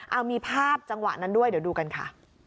เอามีภาพจังหวะนั้นด้วยเดี๋ยวดูกันค่ะ